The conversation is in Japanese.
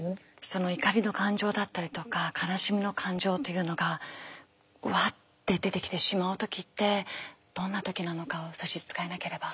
その怒りの感情だったりとか悲しみの感情というのがわっって出てきてしまう時ってどんな時なのか差し支えなければ。